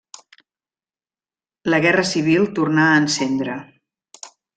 La guerra civil tornà a encendre.